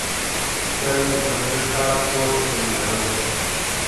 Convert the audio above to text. چل گی پلے شاک کوٹیکی نی ارؤ۔